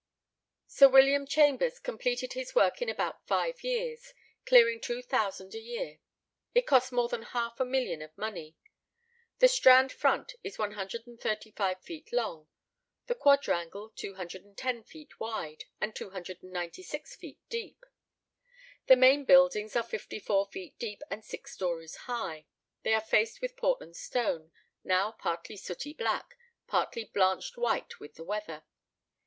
Sir William Chambers completed his work in about five years, clearing two thousand a year. It cost more than half a million of money. The Strand front is 135 feet long; the quadrangle 210 feet wide and 296 feet deep. The main buildings are 54 feet deep and six stories high. They are faced with Portland stone, now partly sooty black, partly blanched white with the weather.